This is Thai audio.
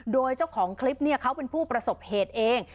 โดยเจ้าของคลิปเขาเป็นผู้ประสบเหตุเอง